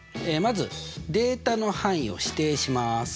まずデータの範囲を指定します。